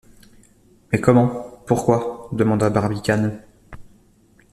Mais comment? pourquoi ? demanda Barbicane.